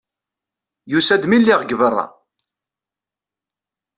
Yusa-d mi lliɣ deg beṛṛa.